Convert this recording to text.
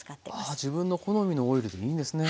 ああ自分の好みのオイルでいいんですね。